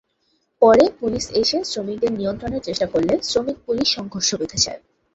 পরে পুলিশ এসে শ্রমিকদের নিয়ন্ত্রণের চেষ্টা করলে শ্রমিক-পুলিশ সংঘর্ষ বেঁধে যায়।